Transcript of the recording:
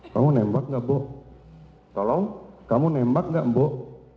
kamu nembak nggak bu tolong kamu nembak nggak mbok